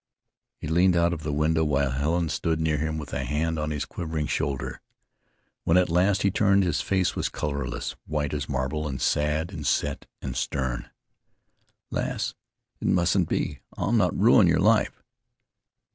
He leaned out of the window while Helen stood near him with a hand on his quivering shoulder. When at last he turned, his face was colorless, white as marble, and sad, and set, and stern. "Lass, it mustn't be; I'll not ruin your life."